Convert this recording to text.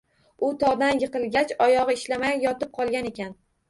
U tog‘dan yiqilgach, oyog‘i ishlamay, yotib qolgan ekan